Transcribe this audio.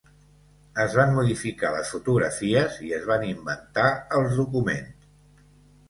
Es van modificar les fotografies i es van inventar els documents.